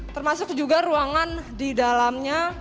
termasuk juga ruangan di dalamnya